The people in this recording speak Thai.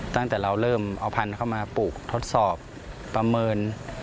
ตั้งแต่เราเริ่มเอาพันธุ์เข้ามาปลูกทดสอบประเมิน